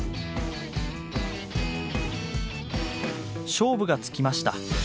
勝負がつきました。